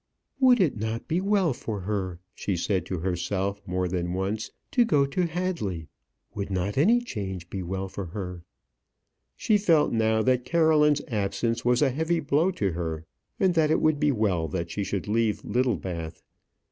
"Would it not be well for her," she said to herself more than once, "to go to Hadley? Would not any change be well for her?" She felt now that Caroline's absence was a heavy blow to her, and that it would be well that she should leave Littlebath.